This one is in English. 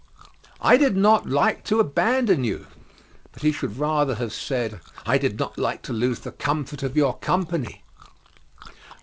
"I did not, like to abandon you," but he should rather have said, "I did not like to lose the comfort of your company."